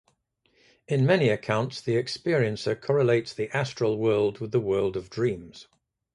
In many accounts the experiencer correlates the astral world with the world of dreams.